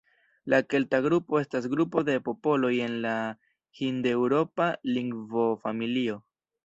La kelta grupo estas grupo de popoloj en la hindeŭropa lingvofamilio.